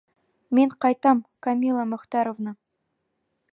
Мин ҡайтам, Камила Мөхтәровна...